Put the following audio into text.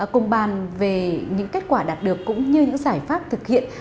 cùng bàn về những kết quả đạt được cũng như những giải pháp thực hiện